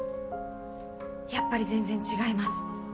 やっぱり全然違います。